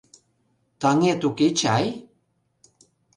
Таҥет уке чай?